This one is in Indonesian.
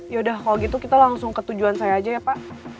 yaudah kalau gitu kita langsung ke tujuan saya aja ya pak